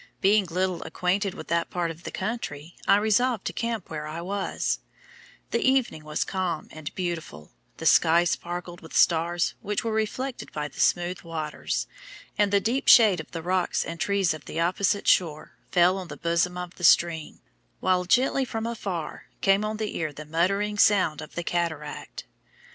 Being little acquainted with that part of the country, I resolved to camp where I was; the evening was calm and beautiful, the sky sparkled with stars which were reflected by the smooth waters, and the deep shade of the rocks and trees of the opposite shore fell on the bosom of the stream, while gently from afar came on the ear the muttering sound of the cataract.